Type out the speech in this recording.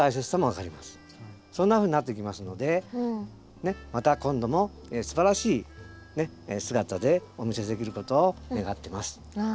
そんなふうになっていきますのでねっまた今度もすばらしい姿でお見せできることを願ってます。